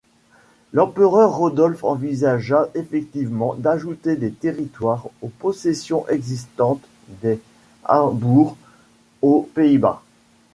L'Empereur Rodolphe envisagea effectivement d'ajouter des territoires aux possessions existantes des Habsbourg aux Pays-Bas.